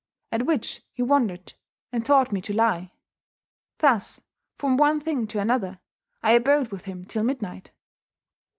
At which he wondred, and thought me to lie. Thus, from one thing to another, I abode with him till midnight."